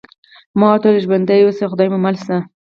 ما ورته وویل: ژوندي اوسئ، خدای مو مل شه.